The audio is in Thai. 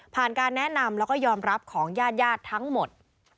การแนะนำแล้วก็ยอมรับของญาติญาติทั้งหมด